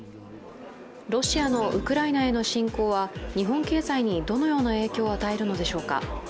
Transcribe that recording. ロシアのウクライナへの侵攻は日本経済にどのような影響を与えるのでしょうか。